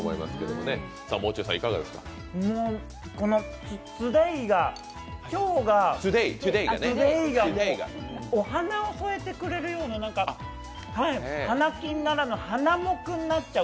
もうこのトゥデーがお花を添えてくれるような、花金ならぬ花木になっちゃう。